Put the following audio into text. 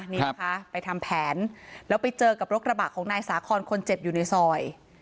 นี่นะคะไปทำแผนแล้วไปเจอกับรถกระบะของนายสาคอนคนเจ็บอยู่ในซอย